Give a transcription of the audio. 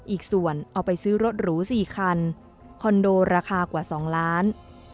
อีกส่วนเอาไปซื้อรถหรู๔คันคอนโดราคากว่า๒ล้าน